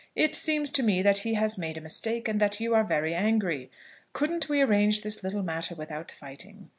It seems to me, that he has made a mistake, and that you are very angry. Couldn't we arrange this little matter without fighting?